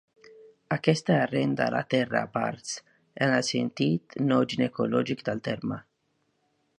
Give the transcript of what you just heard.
Aquesta arrenda la terra a parts, en el sentit no ginecològic del terme.